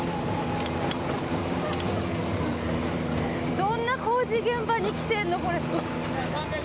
どんな工事現場に来てんのこれ。